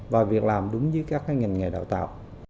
và việc làm đúng với các ngành nghề đào tạo